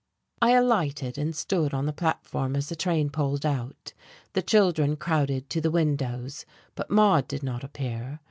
I alighted, and stood on the platform as the train pulled out. The children crowded to the windows, but Maude did not appear....